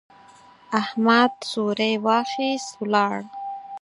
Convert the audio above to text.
احمد څوری واخيست، ولاړ.